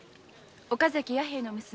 岡崎弥兵衛の娘